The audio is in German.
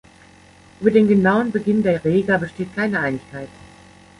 Über den genauen Beginn der Rega besteht keine Einigkeit.